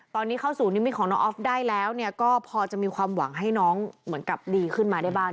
ตอนนี้เข้าสู่นิมิตของน้องออฟได้แล้วก็พอจะมีความหวังให้น้องเหมือนกับดีขึ้นมาได้บ้าง